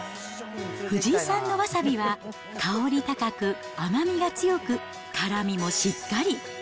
藤井さんのわさびは、香り高く、甘みが強く、辛みもしっかり。